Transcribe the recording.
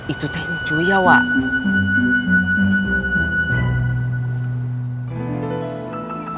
itu teh cuy ya wak